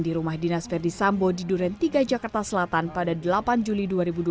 di rumah dinas verdi sambo di duren tiga jakarta selatan pada delapan juli dua ribu dua puluh